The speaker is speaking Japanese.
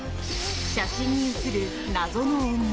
写真に写る謎の女。